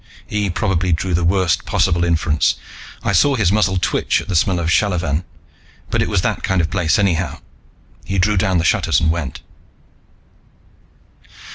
He probably drew the worst possible inference I saw his muzzle twitch at the smell of shallavan but it was that kind of place anyhow. He drew down the shutters and went.